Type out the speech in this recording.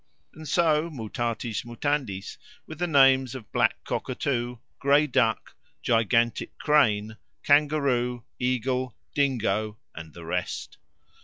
And so mutatis mutandis with the names of Black Cockatoo, Grey Duck, Gigantic Crane, Kangaroo, Eagle, Dingo, and the rest.